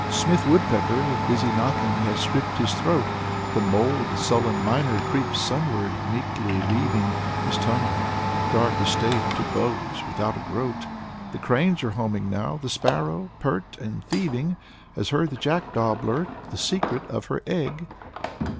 Smith Woodpecker with busy knocking has stripped his throat. The mole — the sullen miner — creeps sunward, meekly leaving His tunneled, dark estate to bugs without a groat. The cranes are homing now, the sparrow, pert and thieving, Has heard the jackdaw blurt the secret of her egg."